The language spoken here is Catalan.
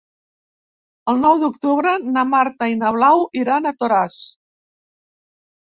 El nou d'octubre na Marta i na Blau iran a Toràs.